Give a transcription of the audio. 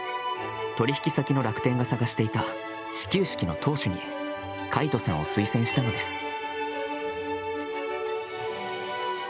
取引先の楽天が探していた始球式の投手に魁翔さんを推薦したのです。